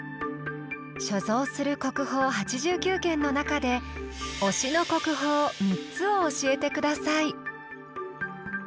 「所蔵する国宝８９件の中で“推しの国宝”３つをおしえてください」。